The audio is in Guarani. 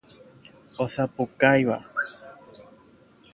Osapukáiva.